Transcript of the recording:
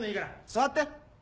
座って！